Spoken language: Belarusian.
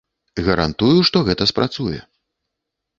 Гарантую, што гэта спрацуе.